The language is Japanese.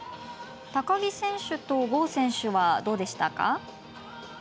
高木選手と郷選手はどうでしたか。